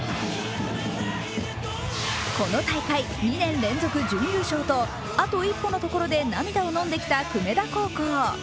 この大会、２年連続準優勝とあと一歩のところで涙をのんできました。